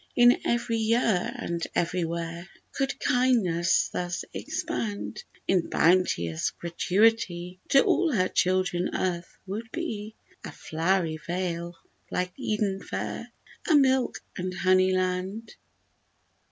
If every year and everywhere Could kindness thus expand In bounteous gratuity, To all her children earth would be A flowery vale like Eden fair, A milk and honey land.